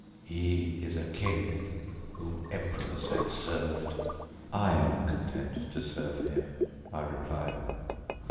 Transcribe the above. "He is a king whom emperors have served." "I am content to serve him," I replied.